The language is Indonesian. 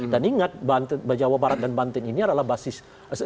dan ingat jawa barat dan banten ini adalah basis